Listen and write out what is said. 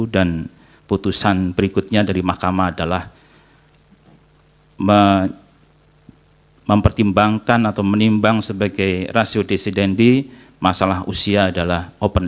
dan putusan berikutnya dari mahkamah adalah mempertimbangkan atau menimbang sebagai ratio desidendi masalah usia adalah open legal policy